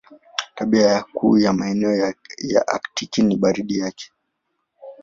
Tabia kuu ya maeneo ya Aktiki ni baridi yake.